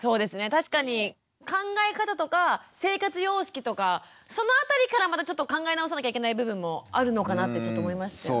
確かに考え方とか生活様式とかその辺りからまたちょっと考え直さなきゃいけない部分もあるのかなってちょっと思いましたよね。